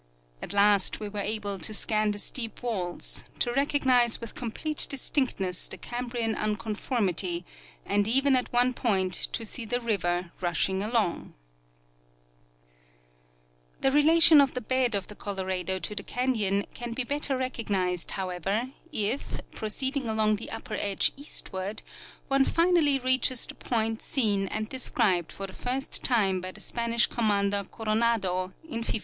At last Ave were able to scan the steep Avails, to recognize with complete distinctness the Cambrian unconformity, and even at one point to see the river rushing along. 174 Dr Johannes Walther — The North American Deserts. The relation of the bed of the Colorado to the canyon can be better recognized, however, if, proceeding along the upper edge eastward, one finally reaches the point seen and described for the first time by the Spanish commander Coronado in 1542.